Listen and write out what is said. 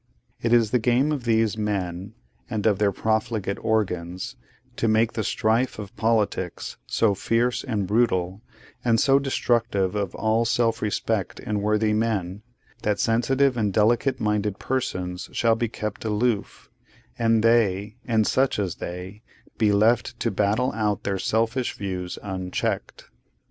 It is the game of these men, and of their profligate organs, to make the strife of politics so fierce and brutal, and so destructive of all self respect in worthy men, that sensitive and delicate minded persons shall be kept aloof, and they, and such as they, be left to battle out their selfish views unchecked.